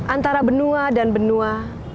antara benua dan benua